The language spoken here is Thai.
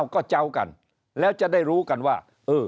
ก็เจ้ากันแล้วจะได้รู้กันว่า